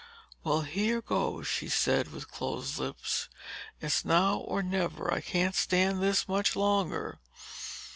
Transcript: "Well, here goes," she said with closed lips. "It's now or never. I can't stand this much longer!"